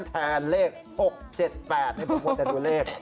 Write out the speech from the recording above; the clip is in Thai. ในบุคคลได้ดูเลข